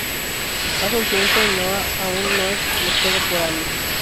Pasa un tiempo y Noah aun no es desbloqueado por Amy.